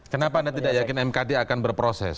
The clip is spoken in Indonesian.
kenapa anda tidak yakin mkd akan berproses